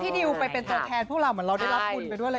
ดิวไปเป็นตัวแทนพวกเราเหมือนเราได้รับบุญไปด้วยเลย